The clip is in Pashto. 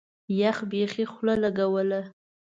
يخ بيخي خوله لګوله.